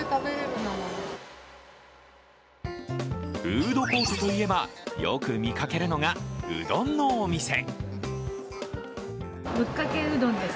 フードコートといえば、よく見かけるのが、うどんのお店。